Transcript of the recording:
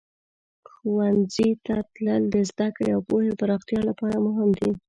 ښوونځي ته تلل د زده کړې او پوهې پراختیا لپاره مهم دی.